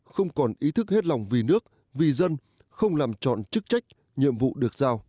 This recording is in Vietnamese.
không còn ý thức hết lòng vì nước vì dân không làm trọn chức trách nhiệm vụ được giao